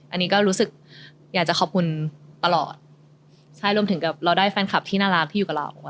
อันนี้ก็รู้สึกอยากจะขอบคุณตลอดใช่รวมถึงกับเราได้แฟนคลับที่น่ารักที่อยู่กับเรา